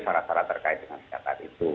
syarat syarat terkait dengan kesehatan itu